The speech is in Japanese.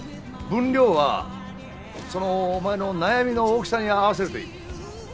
分量はそのお前の悩みの大きさに合わせるといい。